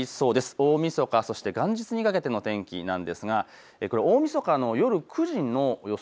大みそか、そして元日にかけての天気なんですが大みそかの夜９時の予想